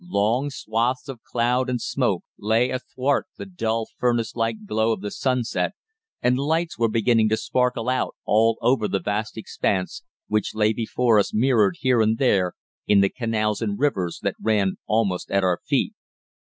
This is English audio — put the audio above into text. Long swathes of cloud and smoke lay athwart the dull, furnace like glow of the sunset, and lights were beginning to sparkle out all over the vast expanse which lay before us mirrored here and there in the canals and rivers that ran almost at our feet.